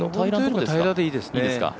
平らでいいですか？